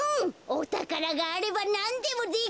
おたからがあればなんでもできる！